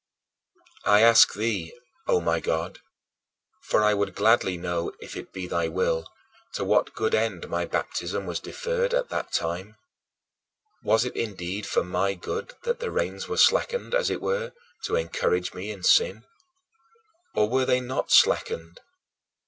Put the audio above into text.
I ask thee, O my God, for I would gladly know if it be thy will, to what good end my baptism was deferred at that time? Was it indeed for my good that the reins were slackened, as it were, to encourage me in sin? Or, were they not slackened?